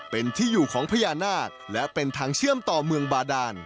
เป็นที่อยู่ของพญานาคและเป็นทางเชื่อมต่อเมืองบาดาน